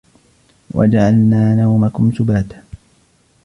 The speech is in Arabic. وجعلنا نومكم سباتا